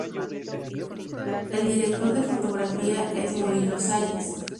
El director de fotografía es Murilo Salles.